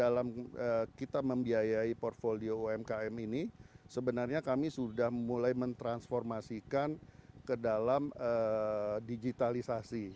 dalam kita membiayai portfolio umkm ini sebenarnya kami sudah mulai mentransformasikan ke dalam digitalisasi